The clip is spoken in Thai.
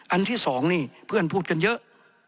ที่สองนี่เพื่อนพูดกันเยอะ